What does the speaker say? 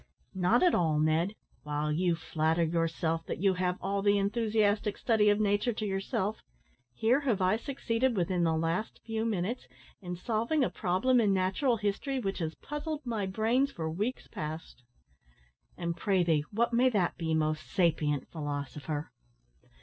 "Not at all, Ned. While you flatter yourself that you have all the enthusiastic study of nature to yourself, here have I succeeded, within the last few minutes, in solving a problem in natural history which has puzzled my brains for weeks past." "And, pray thee, what may that be, most sapient philosopher?"